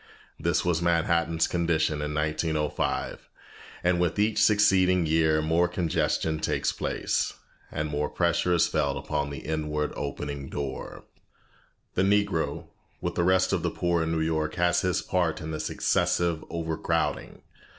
This was Manhattan's condition in 1905, and with each succeeding year more congestion takes place, and more pressure is felt upon the inward opening door. The Negro with the rest of the poor of New York has his part in this excessive overcrowding.